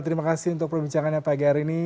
terima kasih untuk perbincangannya pagi hari ini